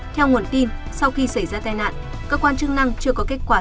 theo nguồn tin sau khi xảy ra tai nạn cơ quan chức năng chưa có kết quả